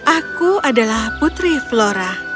aku adalah putri flora